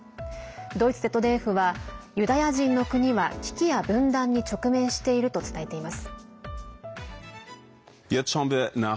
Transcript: ドイツＺＤＦはユダヤ人の国は危機や分断に直面していると伝えています。